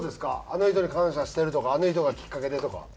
あの人に感謝してるとかあの人がきっかけでとか。